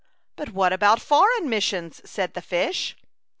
" But what about foreign mis sions ?'' said the fish.